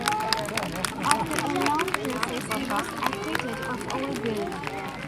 After a long process he was acquitted of all guilt.